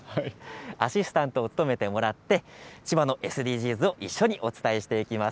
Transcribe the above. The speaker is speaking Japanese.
アシスタントを務めてもらって千葉のＳＤＧｓを一緒にお伝えしていきます。